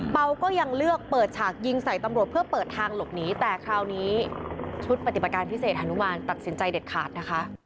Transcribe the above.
เปล่าก็ยังเลือกเปิดฉากยิงใส่ตำรวจเพื่อเปิดทางหลบหนีแต่คราวนี้ชุดปฏิบัติการพิเศษฮานุมานตัดสินใจเด็ดขาดนะคะ